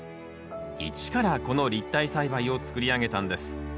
一からこの立体栽培を作り上げたんです。